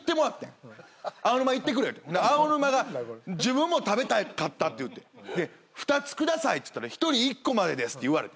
「アオヌマが自分も食べたかったっていうて『２つ下さい』っつったら『一人１個までです』って言われてん」